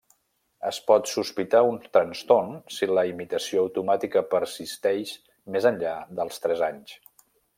Es pot sospitar un trastorn si la imitació automàtica persisteix més enllà dels tres anys.